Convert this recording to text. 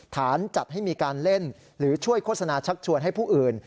จัดให้มีการเล่นหรือช่วยโฆษณาชักชวนให้ผู้อื่น